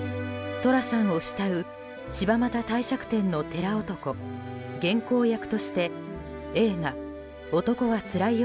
寅さんを慕う柴又帝釈天の寺男・源公役として映画「男はつらいよ」